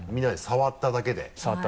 触っただけで。